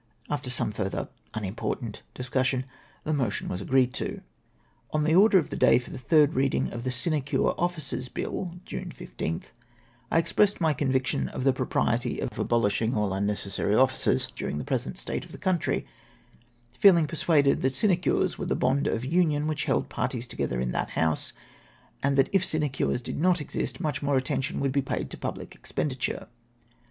After some further unimportant discussion, the motion was agreed to. On the order of the day for the tliird reading of the Sinecure Offices Bill (June 15th), I ex])ressed my con vie EXPLANATIONS OF MY PARLIAMENTARY CONDUCT 257 lion of the propriety of abolishing all unnecessary offices during tlie present state of the country, feehng per suaded tliat sinecures were the bond of union which held parties together in that House, and that if sinecures did not exist, much more attention would be paid to public expenditure.